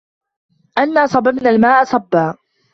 أَنّا صَبَبنَا الماءَ صَبًّا